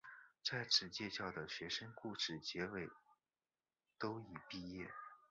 在此介绍的学生故事结尾都已毕业。